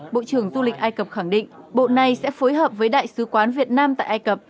bộ trưởng du lịch ai cập khẳng định bộ này sẽ phối hợp với đại sứ quán việt nam tại ai cập